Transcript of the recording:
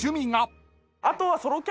あとは。